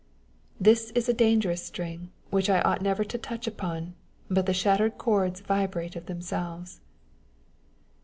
This is a dangerous string, which I ought never to touch upon ; but the shattered cords vibrate of themselves